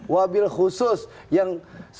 mobil khusus yang